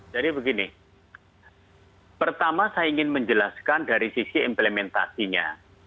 jadi begini pertama saya ingin menjelaskan dari sisi implementasinya